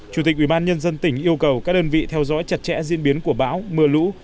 chủ tịch ubnd tỉnh yêu cầu các đơn vị theo dõi chặt chẽ diễn biến của bão mưa lũ